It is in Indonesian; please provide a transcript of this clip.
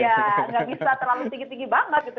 ya nggak bisa terlalu tinggi tinggi banget gitu